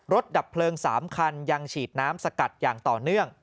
ดับเพลิง๓คันยังฉีดน้ำสกัดอย่างต่อเนื่อง